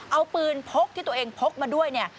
เอาปืนพกที่ตัวเองพกมาด้วยเนี่ย